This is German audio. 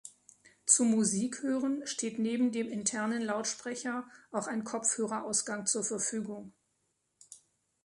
Zum Musik hören steht neben dem internen Lautsprecher auch ein Kopfhörer-Ausgang zur Verfügung.